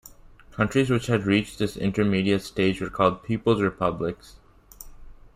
Countries which had reached this intermediate stage were called "people's republics".